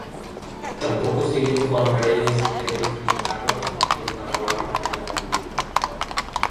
Tampoco siguen Juan Reyes, Erick Lecaros y el paraguayo Julián Lugo.